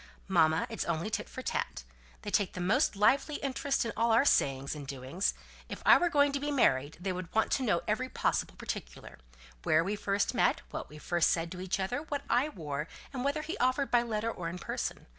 "Mamma, it's only tit for tat. They take the most lively interest in all our sayings and doings. If I were going to be married, they would want to know every possible particular, when we first met, what we first said to each other, what I wore, and whether he offered by letter or in person.